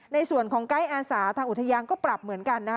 ในส่วนของไกด์อาสาทางอุทยานก็ปรับเหมือนกันนะคะ